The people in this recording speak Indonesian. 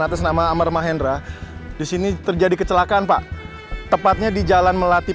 atas nama amar mahendra disini terjadi kecelakaan pak tepatnya di jalan melati